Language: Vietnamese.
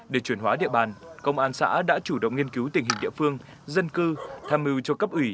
để chuyển hóa địa bàn công an xã đã chủ động nghiên cứu tình hình địa phương dân cư tham mưu cho cấp ủy